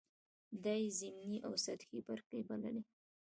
دا یې ضمني او سطحې برخې بللې.